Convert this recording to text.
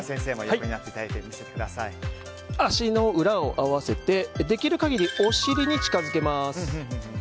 足の裏を合わせてできる限り、お尻に近づけます。